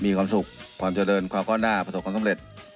มีความสุขความเจอเดินความข้อหน้าประสงค์ความสำเร็จ